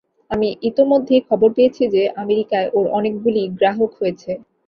আমি ইতোমধ্যেই খবর পেয়েছি যে, আমেরিকায় ওর অনেকগুলি গ্রাহক হয়েছে।